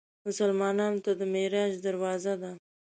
مسلمانانو ته د معراج دروازه ده.